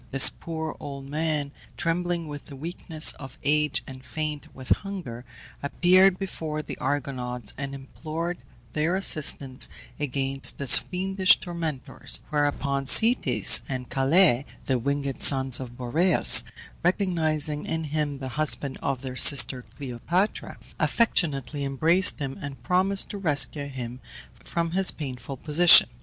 This poor old man, trembling with the weakness of age, and faint with hunger, appeared before the Argonauts, and implored their assistance against his fiendish tormentors, whereupon Zetes and Calais, the winged sons of Boreas, recognizing in him the husband of their sister Cleopatra, affectionately embraced him, and promised to rescue him from his painful position.